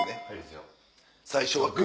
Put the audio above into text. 最初はグ！